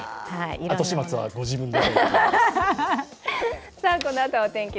後始末はご自分で。